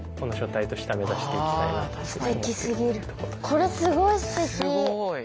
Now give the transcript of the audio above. これすごいすてき。